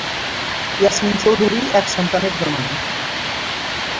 ইয়াসমিন চৌধুরী এক সন্তানের জননী।